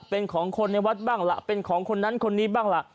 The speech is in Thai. เป็นของคนในวัดบ้างล่ะเป็นของคนนั้นคนนี้บ้างล่ะ